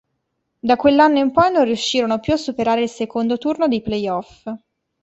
Da quell'anno in poi non riuscirono più a superare il secondo turno dei playoff.